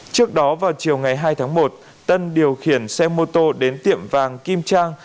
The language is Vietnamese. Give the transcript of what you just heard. trước đó vào chiều ngày hai tháng một tân điều khiển xe mô tô đến tiệm vàng kim trang